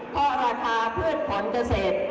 เพราะราคาพืชผลเกษตร